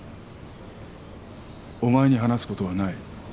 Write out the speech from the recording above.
お前に話すことはない。